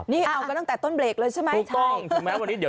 นี่เอาก็ตั้งแต่ต้นเบรคเลยใช่มั้ย